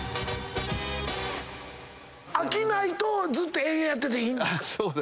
飽きないとずっと延々やってていいんですか？